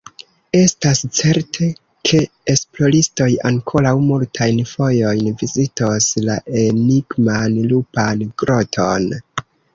Estas certe, ke esploristoj ankoraŭ multajn fojojn vizitos la enigman Lupan Groton.